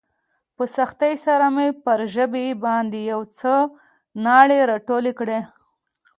په سختۍ سره مې پر ژبې باندې يو څه ناړې راټولې کړې.